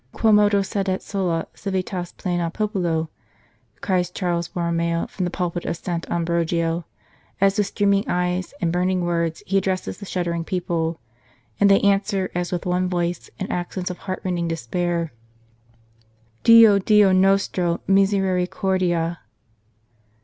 " Quomodo sedet sola civitas plena populo !" cries Charles Borromeo from the pulpit of Sant Ambrogio, as with streaming eyes and burning words he addresses the shuddering people, and they answer as with one voice in accents of heartrending despair :" Dio, Dio nostro, miseri cordia